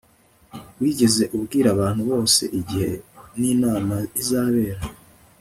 Wigeze ubwira abantu bose igihe ninama izabera